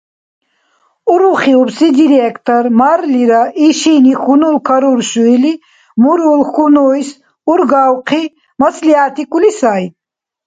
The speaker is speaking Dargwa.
Урухиубси директор, марлира, ишини хьунул каруршу или, мурул-хьунуйс ургавхъи, маслигӀятикӀули сай: